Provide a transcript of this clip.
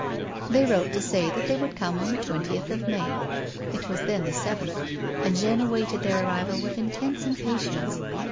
They wrote to say they would come on the twentieth of May ; it was then the seventh, and Jeanne awaited their arrival with intense impatience.